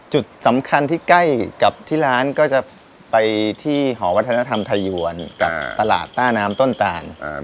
จุดสำคัญที่ใกล้กับที่ร้านก็จะไปที่หอวัฒนธรรมไทยวนกับตลาดต้าน้ำต้นตาล